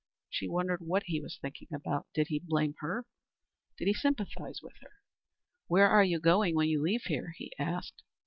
She wondered what he was thinking about. Did he blame her? Did he sympathize with her? "Where are you going when you leave here?" he asked.